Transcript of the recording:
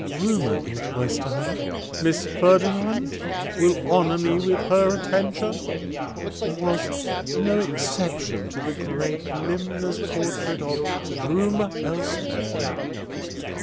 Rumour in Cloisterham (Miss Ferdinand will honour me with her attention) was no exception to the great limner's portrait of Rumour elsewhere.